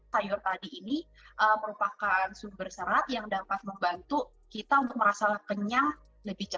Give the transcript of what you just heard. sayur tadi ini merupakan sumber serat yang dapat membantu kita untuk merasa kenyang lebih cepat dan juga lebih lama bertahan lebih lama